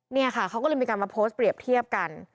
เนี่ยค่ะเขาก็เลยมีการมาโพสต์เปรียบเทียบกัน